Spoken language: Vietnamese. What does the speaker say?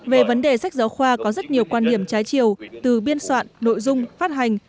về vấn đề sách giáo khoa có rất nhiều quan điểm trái chiều từ biên soạn nội dung phát hành